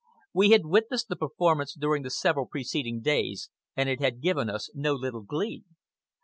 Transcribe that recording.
We had witnessed the performance during the several preceding days, and it had given us no little glee.